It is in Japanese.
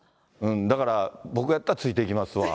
だから、僕やったらついていきますわ。